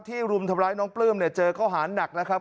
รุมทำร้ายน้องปลื้มเนี่ยเจอข้อหาหนักนะครับ